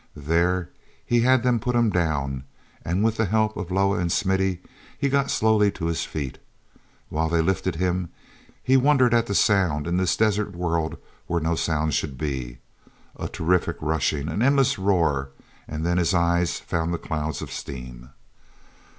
There he had them put him down; and, with the help of Loah and Smithy, he got slowly to his feet. While they lifted him, he wondered at the sound in this desert world where no sound should be. A terrific rushing, an endless roar—and then his eyes found the clouds of steam.